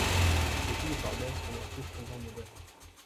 Les gilets pare-balles sont leurs descendants modernes.